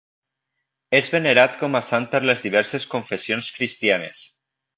És venerat com a sant per les diverses confessions cristianes.